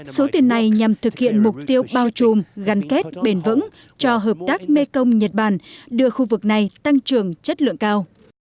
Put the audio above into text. số tiền này nhằm thực hiện mục tiêu bao trùm gắn kết bền vững cho hợp tác mekong nhật bản đưa khu vực này tăng trưởng chất lượng cao